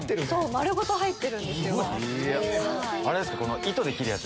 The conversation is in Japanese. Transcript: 丸ごと入ってるんですよ。